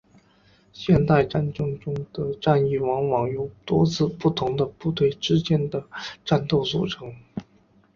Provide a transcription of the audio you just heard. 现代战争中的战役往往由多次不同的部队之间的战斗组成。